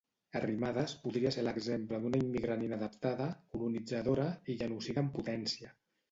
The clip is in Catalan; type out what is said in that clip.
Arrimadas podria ser l'exemple d'una immigrant inadaptada, colonitzadora i genocida en potència.